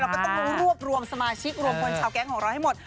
ก็ต้องรวบรวมสมาชิกรวมคนชาวแก๊งของเราให้หมด